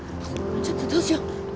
ちょっとどうしよう？